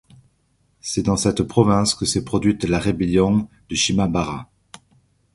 C'est dans cette province que s'est produite la rébellion de Shimabara.